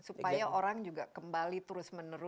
supaya orang juga kembali terus menerus